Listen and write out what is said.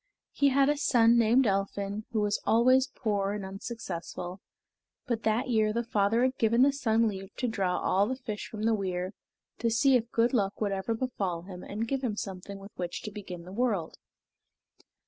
He had a son named Elphin, who was always poor and unsuccessful, but that year the father had given the son leave to draw all the fish from the weir, to see if good luck would ever befall him and give him something with which to begin the world.